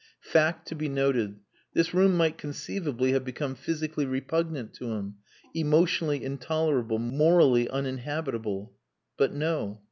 Fact to be noted: this room might conceivably have become physically repugnant to him, emotionally intolerable, morally uninhabitable. But no.